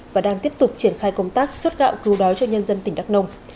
và đang tiếp tục triển khai công tác xuất gạo cứu đói cho nhân dân tỉnh đắk nông